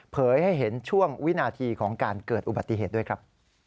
ให้เห็นช่วงวินาทีของการเกิดอุบัติเหตุด้วยครับ